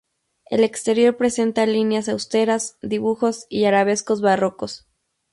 El exterior presenta líneas austeras, dibujos y arabescos barrocos.